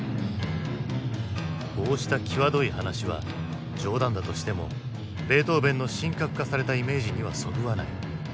こうした際どい話は冗談だとしてもベートーヴェンの神格化されたイメージにはそぐわない。